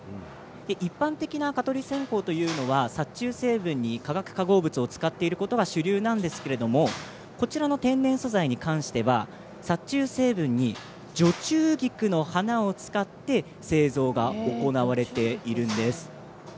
一般的な蚊取り線香というのは殺虫成分に化学化合物を使うのが主流なんですがこちらの天然素材に関しては殺虫成分に除虫菊の花を使って製造が行われているんです。